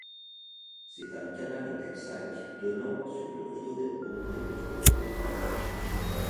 C'est un canal en cul-de-sac donnant sur le rio del Ponte Piccolo.